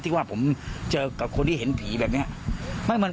ที่ว่าผมเจอกับคนที่เห็นผีแบบนี้